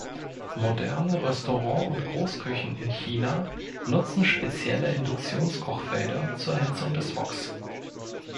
Moderne Restaurant- und Großküchen in China nutzen spezielle Induktions-Kochfelder zur Erhitzung des Woks.